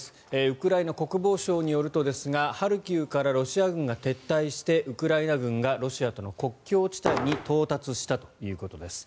ウクライナ国防省によるとですがハルキウからロシア軍が撤退してウクライナ軍がロシアとの国境地帯に到達したということです。